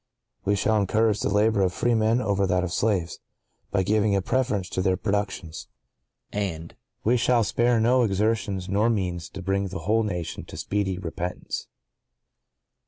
(¶ 40) We shall encourage the labor of freemen over that of slaves, by giving a preference to their productions;—and (¶ 41) We shall spare no exertions nor means to bring the whole nation to speedy repentance.